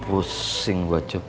pusing gua cup